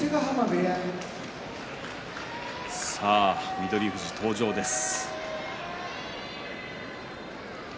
翠富士、登場です。